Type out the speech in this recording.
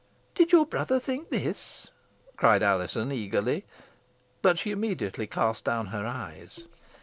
"Did your brother think this?" cried Alizon, eagerly. But she immediately cast down her eyes.